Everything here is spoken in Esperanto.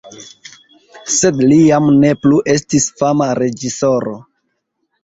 Sed li jam ne plu estis fama reĝisoro.